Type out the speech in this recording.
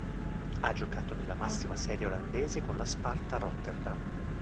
Ha giocato nella massima serie olandese con lo Sparta Rotterdam.